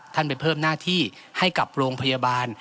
ไปเพิ่มหน้าที่ให้กับโรงพยาบาล